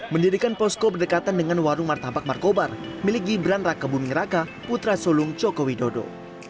mendirikan posko berdekatan dengan warung martabak markobar milik gibran raka buming raka putra sulung joko widodo